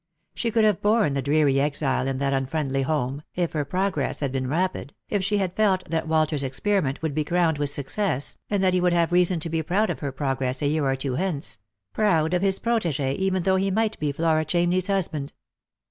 She could have borne the dreary exile in that unfriendly home, if her progress had been rapid, if she had felt that Walter's experiment would be crowned with success, and that he would have reason to be proud of her progress a year or two hence ; proud of his protegee, even though lie might be Flora Chamney's husband.